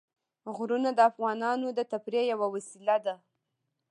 غرونه د افغانانو د تفریح یوه وسیله ده.